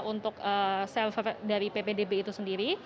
untuk server dari ppdb itu sendiri